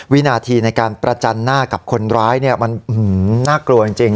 วินาทีในการประจันหน้ากับคนร้ายมันน่ากลัวจริง